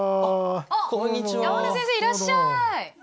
あっ山根先生いらっしゃい！